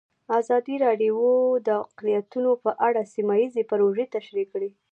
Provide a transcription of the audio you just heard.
ازادي راډیو د اقلیتونه په اړه سیمه ییزې پروژې تشریح کړې.